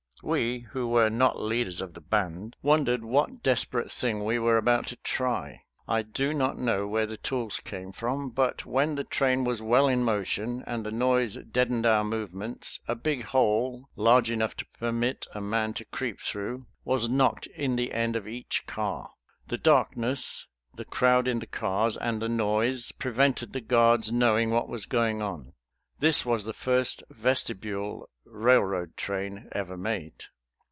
We who were not leaders of the "Band" wondered what desperate thing we were about to try. I do not know where the tools came from, but when the train was well in motion, and the noise deadened our movements, a big hole, large enough to permit a man to creep through, was knocked in the end of each car. The darkness, the crowd in the cars and the noise prevented the guards knowing what was going on. This was the first "vestibule" railroad train ever made.